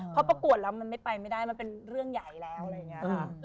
พอประกวดแล้วมันไม่ไปไม่ได้มันเป็นเรื่องใหญ่แล้วอะไรอย่างนี้ค่ะ